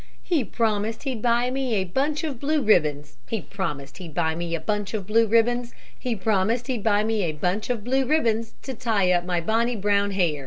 He promised he'd buy me a bunch of blue ribbons, He promised he'd buy me a bunch of blue ribbons, He promised he'd buy me a bunch of blue ribbons, To tie up my bonny brown hair.